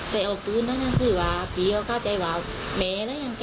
ก็เรียกว่า